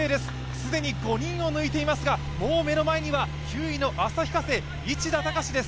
既に５人を抜いていますが、もう目の前には９位の旭化成、市田孝です。